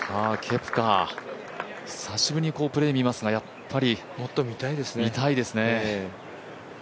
久しぶりに好プレー見ますがもっと見たいですね。